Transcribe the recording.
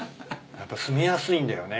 やっぱ住みやすいんだよね。